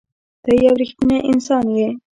ته یو رښتنی انسان یې.